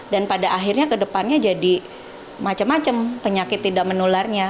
dan pada akhirnya kedepannya jadi macam macam penyakit tidak menularnya